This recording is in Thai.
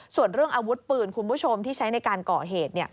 ส่วนเรื่องอาวุธปืนคุณผู้ชมที่ใช้ในการก่อเหตุ